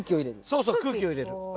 そうそう空気を入れる。